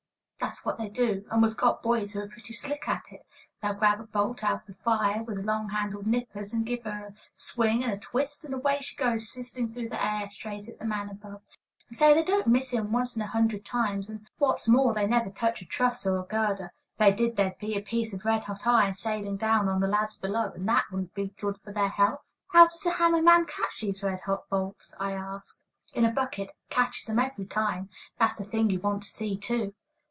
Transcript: "That's what they do; and we've got boys who are pretty slick at it. They'll grab a bolt out of the fire with long handled nippers, and give her a swing and a twist, and away she goes sizzling through the air straight at the man above; and say, they don't miss him once in a hundred times; and, what's more, they never touch a truss or girder. If they did there'd be a piece of red hot iron sailing down on the lads below, and that wouldn't be good for their health." "How does the hammer man catch these red hot bolts?" I asked. "In a bucket. Catches 'em every time. That's a thing you want to see, too."